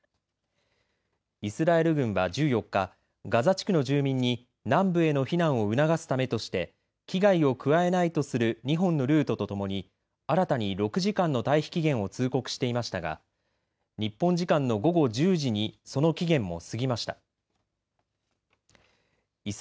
イスラエル軍は１４日ガザ地区の住民南部への避難を促すためとして危害を加えないとする２本のルートとともに新たに６時間の退避期限を通告していましたが日本時間の午後１０時にその期限も過ぎました。